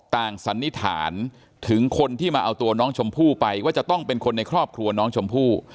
สันนิษฐานถึงคนที่มาเอาตัวน้องชมพู่ไปว่าจะต้องเป็นคนในครอบครัวน้องชมพู่